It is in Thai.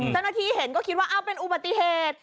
เจ้าหน้าที่เห็นก็คิดว่าเป็นอุบัติเหตุ